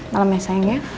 malam ya sayang ya